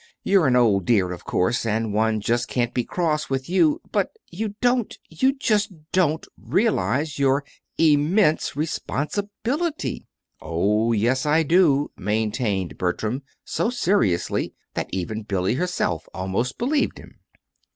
"You're an old dear, of course, and one just can't be cross with you; but you don't, you just don't realize your Immense Responsibility." "Oh, yes, I do," maintained Bertram so seriously that even Billy herself almost believed him.